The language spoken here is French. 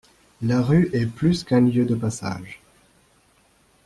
La rue est plus qu’un lieu de passage.